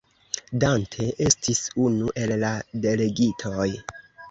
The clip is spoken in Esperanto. Dante estis unu el la delegitoj.